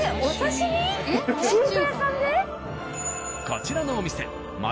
こちらのお店町